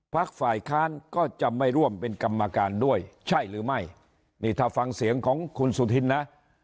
ฝ่ายค้านก็จะไม่ร่วมเป็นกรรมการด้วยใช่หรือไม่นี่ถ้าฟังเสียงของคุณสุธินนะ